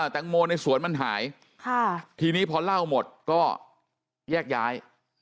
แตงโมในสวนมันหายทีนี้พอเล่าหมดก็แยกย้าย